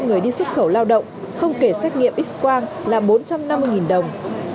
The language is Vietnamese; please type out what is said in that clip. người đi xuất khẩu lao động không kể xét nghiệm x quang là bốn trăm năm mươi đồng